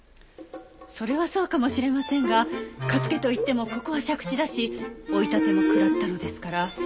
それはそうかもしれませんが勝家といってもここは借地だし追い立ても食らったのですから。